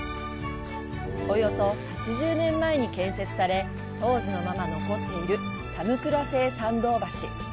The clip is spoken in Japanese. およそ８０年前に建設され、当時のまま残っているタムクラセ―桟道橋。